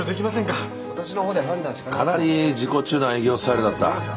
かなり自己中な営業スタイルだった。